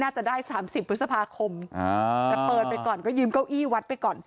น่าจะได้๓๐พฤษภาคมแต่เปิดไปก่อนก็ยืมเก้าอี้วัดไปก่อน